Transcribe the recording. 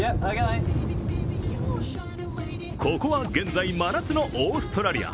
ここは現在、真夏のオーストラリア。